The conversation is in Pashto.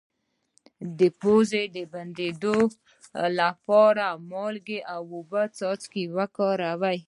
د پوزې د بندیدو لپاره د مالګې او اوبو څاڅکي وکاروئ